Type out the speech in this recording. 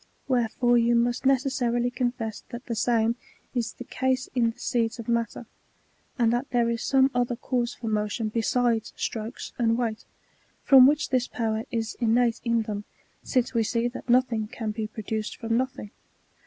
Wherefore you must necessarily confess that the same is the case in the seeds of matter, and that there is some other cause for motion besides strokes and weight, from which this power is innate in them, since we see that nothing can be produced from nothing.